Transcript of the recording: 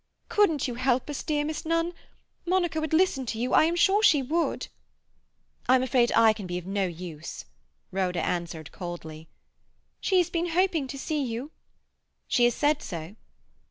Couldn't you help us, dear Miss Nunn? Monica would listen to you; I am sure she would." "I'm afraid I can be of no use," Rhoda answered coldly. "She has been hoping to see you." "She has said so?"